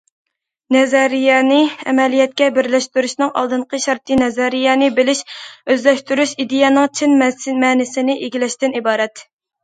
نەزەرىيەنى ئەمەلىيەتكە بىرلەشتۈرۈشنىڭ ئالدىنقى شەرتى نەزەرىيەنى بىلىش، ئۆزلەشتۈرۈش، ئىدىيەنىڭ چىن مەنىسىنى ئىگىلەشتىن ئىبارەت.